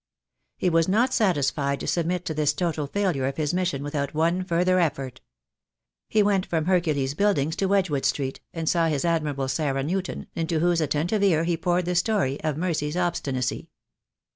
He was not satisfied to submit to this total failure of his mission without one further effort. He went from Hercules Buildings to Wedgewood Street, and saw his admirable Sarah Newton, into whose attentive ear he poured the story of Mercy's obstinacy.